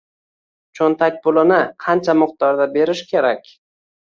Cho‘ntak pulini qancha miqdorda berish kerak?